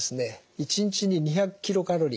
１日に２００ｋｃａｌ